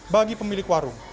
bagi pemilik warung